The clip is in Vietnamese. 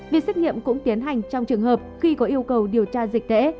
việc xét nghiệm cũng tiến hành trong trường hợp khi có yêu cầu điều tra dịch tễ